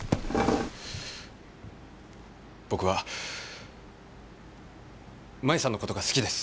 僕は舞さんのことが好きです。